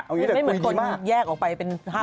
ไม่เหมือนคนแยกออกไปเป็น๕๖เดือน